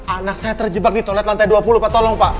anak saya terjebak di tolet lantai dua puluh pak tolong pak